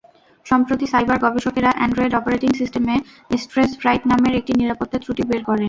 সম্প্রতি সাইবার গবেষকেরা Android operating সিস্টেমে স্ট্রেজফ্রাইট নামের একটি নিরাপত্তা ত্রুটি বের করেন।